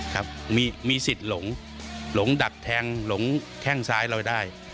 ครับมีสิทธิ์หลงหลงดักแทงหลงแข้งซ้ายเราได้